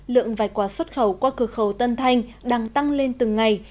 lượng vẻ quả xuất khẩu qua cửa khẩu tân thanh đang tăng lên từng ngày